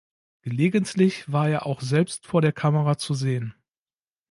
Gelegentlich war er auch selbst vor der Kamera zu sehen.